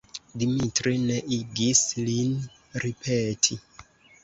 Dimitri ne igis lin ripeti.